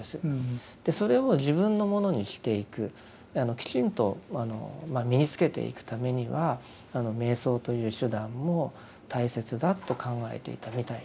それを自分のものにしていくきちんと身につけていくためには瞑想という手段も大切だと考えていたみたいなんです。